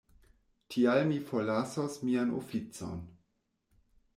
Tial mi forlasos mian oficon.